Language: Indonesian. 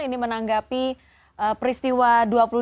ini menanggapi peristiwa dua puluh dua hari pembakaran